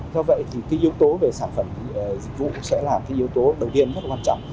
do vậy thì cái yếu tố về sản phẩm dịch vụ sẽ là cái yếu tố đầu tiên